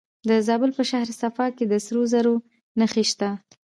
د زابل په شهر صفا کې د سرو زرو نښې شته.